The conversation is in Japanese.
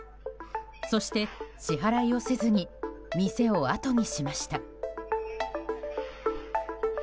そして支払いをせずに店をあとにしました。